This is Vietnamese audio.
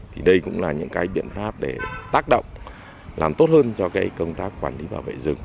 thì đây cũng là những cái biện pháp để tác động làm tốt hơn cho cái công tác quản lý bảo vệ rừng